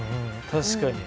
確かに。